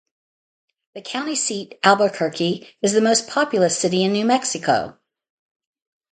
The county seat, Albuquerque, is the most populous city in New Mexico.